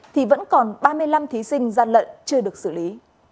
thì vẫn còn ba mươi năm thí sinh gian lận chưa được xử lý